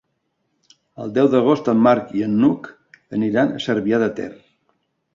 El deu d'agost en Marc i n'Hug aniran a Cervià de Ter.